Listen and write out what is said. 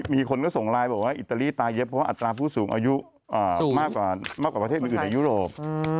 มีคนก็ส่งไลน์บอกว่าอิตาลีตายเย็บเพราะว่าอัตราผู้สูงอายุมากกว่าประเทศอื่นในยุโรป